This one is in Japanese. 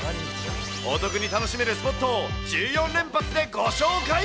お得に楽しめるスポットを１４連発でご紹介。